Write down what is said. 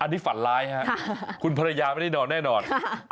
อันนี้ฝันร้ายครับคุณภรรยาไม่ได้นอนแน่นอน